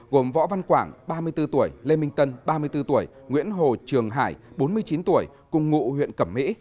gồm võ văn quảng ba mươi bốn tuổi lê minh tân ba mươi bốn tuổi nguyễn hồ trường hải bốn mươi chín tuổi cùng ngụ huyện cẩm mỹ